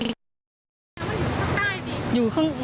มันอยู่ข้างใต้นี่